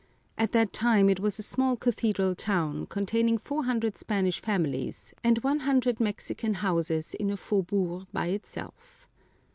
At that time it was a small cathedral town, containing 400 Spanish families, and 100 Mexican houses in a faubourg by itself.